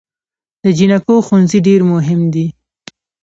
د جینکو ښوونځي ډیر مهم دی